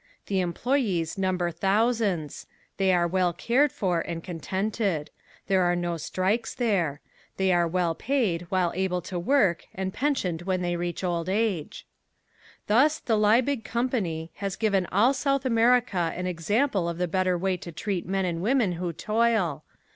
The employees number thousands. They are well cared for and contented. There are no strikes there. They are well paid while able to work and pensioned when they reach old age. Thus, the Leibig company, has given all South America an example of the better way to treat men and women who toil.